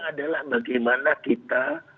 adalah bagaimana kita